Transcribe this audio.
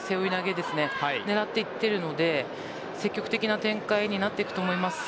それを狙っていっているので積極的な展開になっていくと思います。